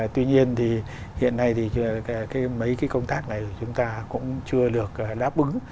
tuy nhiên thì hiện nay thì mấy cái công tác này chúng ta cũng chưa được đáp ứng